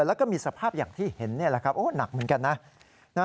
แล้วก็มีสภาพอย่างที่เห็นนี่แหละครับโอ้หนักเหมือนกันนะ